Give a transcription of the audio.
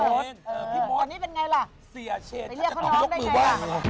อันนี้เป็นไงล่ะ